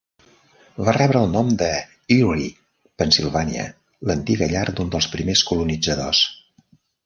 Va rebre el nom de Erie, Pennsylvania, l'antiga llar d'un dels primers colonitzadors.